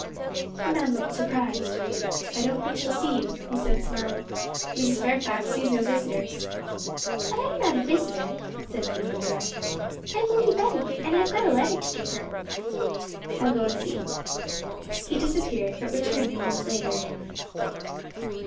The man looked surprised. 'I don't think she will see you,' he said, smiling; 'Mrs. Fairfax sees no visitors.' 'But I'm not a visitor,' said the little girl; 'I'm only Betty, and I've got a letter to give her.' 'I will go and see.' He disappeared, but returned a minute after.